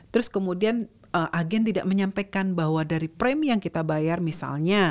terus kemudian agen tidak menyampaikan bahwa dari premi yang kita bayar misalnya